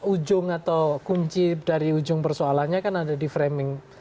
ujung atau kunci dari ujung persoalannya kan ada di framing